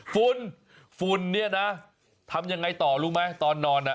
ฝุ่นฝุ่นเนี่ยนะทำยังไงต่อรู้ไหมตอนนอนน่ะ